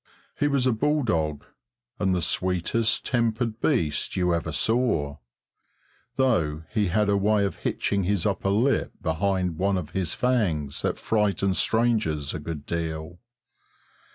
He was a bull dog, and the sweetest tempered beast you ever saw, though he had a way of hitching his upper lip behind one of his fangs that frightened strangers a good deal.